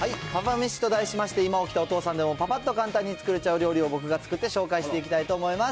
めしと題しまして、今起きたお父さんでもぱぱっと簡単に作れちゃう料理を僕が作って紹介していきたいと思います。